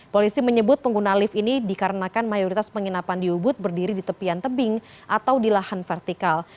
polisi menyebut pengguna lift ini dikarenakan mayoritas penginapan di ubud berdiri di tepian tebing atau di lahan vertikal